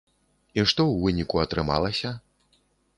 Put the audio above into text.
І што ў выніку атрымалася?